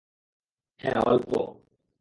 হ্যাঁ, অল্প।